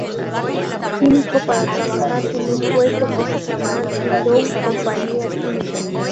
Químico para trabajar en un puesto profesional en Dow Compañía Química.